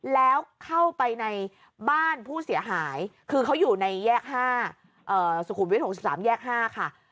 แล้วเข้าไปในบ้านผู้เสียหายคือเขาอยู่ในแยก๕สุขุมวิทย์๖๓แยก๕ค่ะ